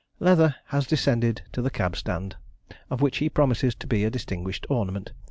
Leather has descended to the cab stand, of which he promises to be a distinguished ornament.